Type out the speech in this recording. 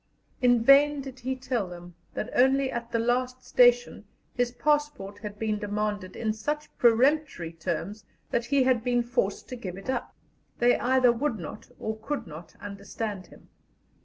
In vain did he tell them that only at the last station his passport had been demanded in such peremptory terms that he had been forced to give it up. They either would not or could not understand him.